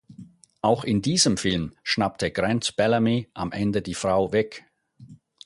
Auch in diesem Film schnappte Grant Bellamy am Ende die Frau weg.